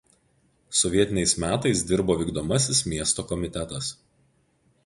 Sovietiniais metais dirbo vykdomasis miesto komitetas.